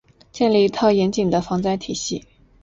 建立一套严谨的防灾体系